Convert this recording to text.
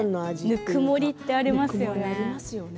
ぬくもりとかってありますよね。